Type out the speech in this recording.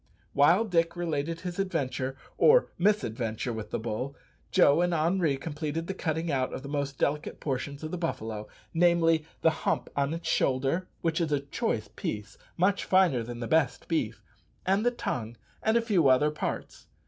While Dick related his adventure, or mis adventure, with the bull, Joe and Henri completed the cutting out of the most delicate portions of the buffalo namely, the hump on its shoulder which is a choice piece, much finer than the best beef and the tongue, and a few other parts.